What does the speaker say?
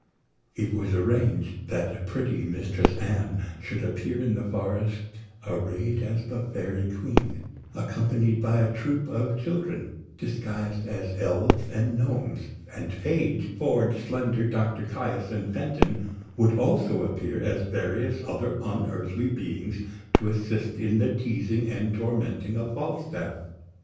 It was arranged that pretty Mistress Anne should appear in the forest arrayed as the Fairy Queen, accompanied by a troop of children disguised as elves and gnomes; and Page, Ford, Slender, Doctor Caius, and Fenton would also appear as various other unearthly beings to assist in the teasing and tormenting of Falstaff.